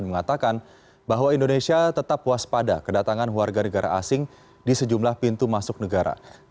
mengatakan bahwa indonesia tetap waspada kedatangan warga negara asing di sejumlah pintu masuk negara